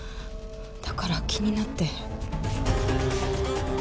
だから気になって。